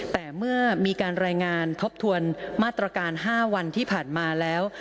แต่เมื่อมีการรายงานทบทวนมาตรการ๕วันที่ผ่านมาแล้ว